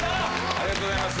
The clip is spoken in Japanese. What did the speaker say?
ありがとうございます。